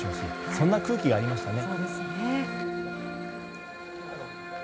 そんな空気がありましたね。